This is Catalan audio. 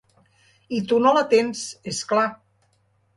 I tu no la tens, és clar.